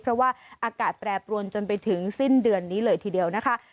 เพราะว่าอากาศแปรปรวนจนไปถึงสิ้นเดือนนี้เลยทีเดียวนะคะ